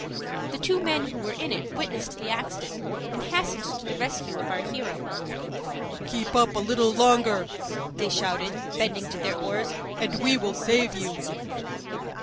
The two men who were in it witnessed the accident, and hastened to the rescue of our hero. "Keep up a little longer," they shouted, bending to their oars, "and we will save you."